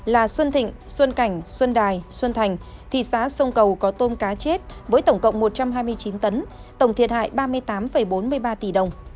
là xuân thịnh xuân cảnh xuân đài xuân thành thị xã sông cầu có tôm cá chết với tổng cộng một trăm hai mươi chín tấn tổng thiệt hại ba mươi tám bốn mươi ba tỷ đồng